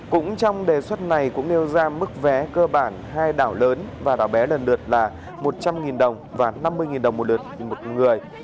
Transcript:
cũng trong đề xuất này cũng nêu ra mức vé cơ bản hai đảo lớn và đảo bé lần lượt là một trăm linh đồng và năm mươi đồng một lượt một người